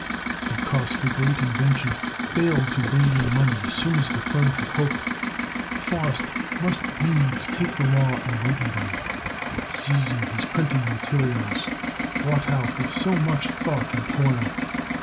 Because the great invention failed to bring in money as soon as the firm had hoped, Faust must needs take the law on Gutenberg, seizing his printing materials, wrought out with so much thought and toil.